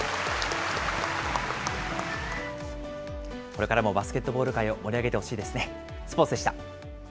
これからもバスケットボール界を盛り上げてほしいですね。